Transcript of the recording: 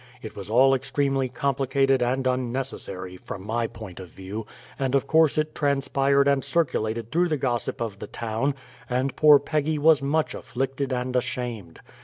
It was all extremely complicated and unnecessary (from my point of view), and of course it transpired and circulated through the gossip of the town, and poor Peggy was much afflicted and ashamed.